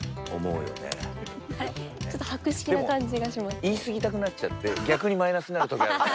でも言いすぎたくなっちゃって逆にマイナスになる時ある。